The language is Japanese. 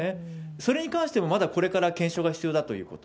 それに関してもまだこれから検証が必要だということ。